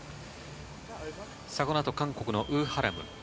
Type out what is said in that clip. この後は韓国のウ・ハラム。